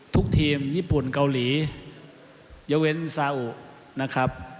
ทีมญี่ปุ่นเกาหลีเยาเว้นซาอุนะครับ